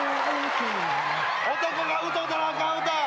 男が歌うたらあかん歌。